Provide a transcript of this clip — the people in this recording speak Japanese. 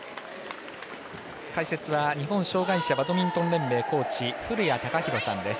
解説は日本障がい者バドミントン連盟コーチ古屋貴啓さんです。